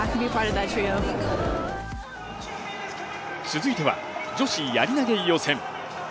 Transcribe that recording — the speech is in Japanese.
続いては女子やり投予選。